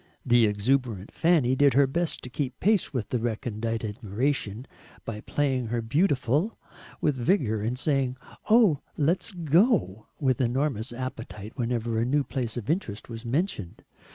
The exuberant Fanny did her best to keep pace with their recondite admiration by playing her "beautiful," with vigour, and saying "Oh! LET'S go," with enormous appetite whenever a new place of interest was mentioned.